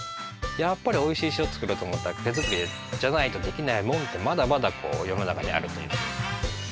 やっぱりおいしい塩作ろうとおもったらてづくりじゃないとできないもんってまだまだよのなかにあるというか。